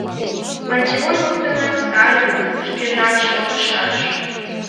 Пантеон воктенак Сталин шкежат шогышаш.